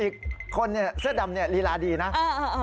อีกคนเนี่ยเสื้อดำเนี่ยลีลาดีนะ